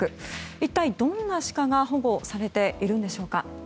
一体どんなシカが保護されているんでしょうか。